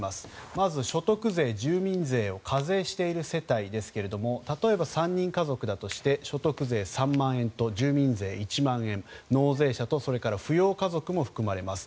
まず所得税、住民税を課税している世帯ですが例えば３人家族だとして所得税３万円と住民税１万円納税者と扶養家族も含まれます。